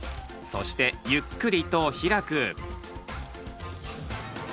そしてゆっくりと開く。